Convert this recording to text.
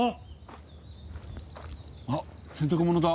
あっ洗濯物だ。